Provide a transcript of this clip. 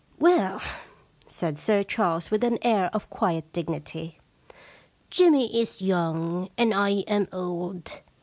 * Well,' said Sir Charles, with an air of quiet .dignity, * Jimmy is young and I am old.